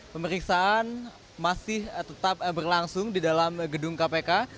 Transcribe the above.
pemeriksaan masih tetap berlangsung di dalam gedung kpk